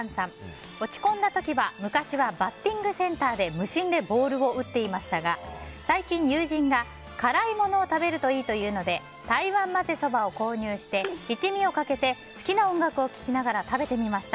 落ち込んだ時は昔はバッティングセンターで無心でボールを打っていましたが最近、友人が辛い物を食べるといいと言うので台湾まぜそばを購入して一味をかけて好きな音楽を聴きながら食べてみました。